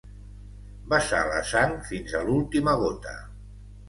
Vessar la sang fins a l'última gota.